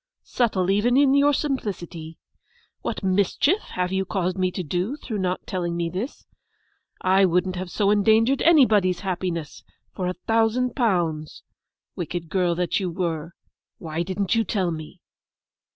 Subtle even in your simplicity! What mischief have you caused me to do, through not telling me this? I wouldn't have so endangered anybody's happiness for a thousand pounds. Wicked girl that you were; why didn't you tell me?